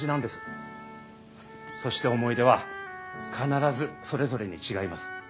そして思い出は必ずそれぞれに違います。